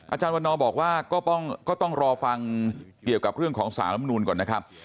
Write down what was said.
อาจารย์วันนอบอกว่าก็ต้องรอฟังเกี่ยวกับเรื่องของสารลำนูนก่อนนะครับ